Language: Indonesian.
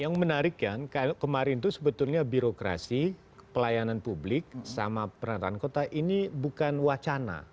yang menarik kan kemarin itu sebetulnya birokrasi pelayanan publik sama peranataan kota ini bukan wacana